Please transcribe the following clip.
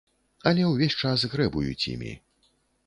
Але ўвесь час грэбуюць імі.